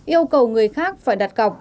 yêu cầu người khác phải đặt cọc